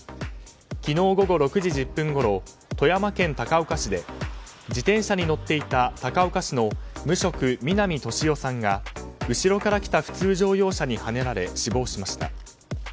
昨日午後６時１０分ごろ富山県高岡市で自転車に乗っていた高岡市の無職南利夫さんが後ろから来た普通乗用車にはねられ、死亡しました。